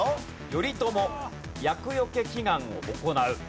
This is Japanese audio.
頼朝厄除け祈願を行う。